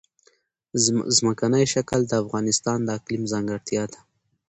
ځمکنی شکل د افغانستان د اقلیم ځانګړتیا ده.